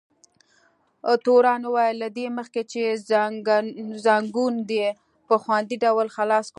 تورن وویل: له دې مخکې چې ځنګون دې په خوندي ډول خلاص کړو.